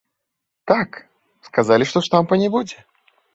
Так, сказалі, што штампа не будзе.